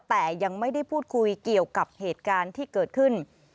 แต่ยังไม่ได้พูดคุยเกี่ยวกับเหตุการณ์ที่เกิดขึ้น